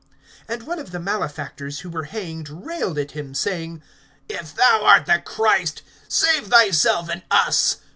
(39)And one of the malefactors who were hanged railed at him, saying: If thou art the Christ, save thyself and us.